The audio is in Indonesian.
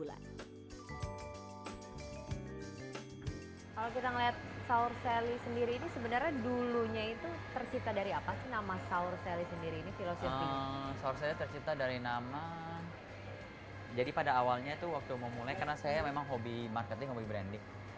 awalnya itu waktu memulai karena saya memang hobi marketing hobi branding